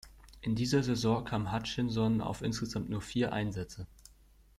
In dieser Saison kam Hutchinson auf insgesamt nur vier Einsätze.